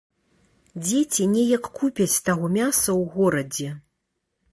Дзеці неяк купяць таго мяса ў горадзе.